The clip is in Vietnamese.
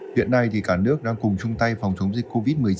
hiện nay cả nước đang cùng chung tay phòng chống dịch covid một mươi chín